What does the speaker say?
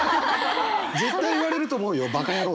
絶対言われると思うよ「馬鹿野郎！」